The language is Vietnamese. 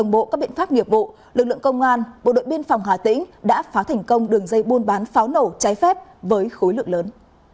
bộ các biện pháp nghiệp vụ lực lượng công an bộ đội biên phòng hà tĩnh đã phá thành công đường dây buôn bán pháo nổ trái phép với khối lượng lớn